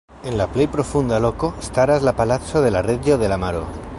En la plej profunda loko staras la palaco de la reĝo de la maro.